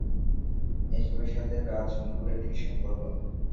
এসবের সাথে রাজ-মুকুটের কী সম্পর্ক?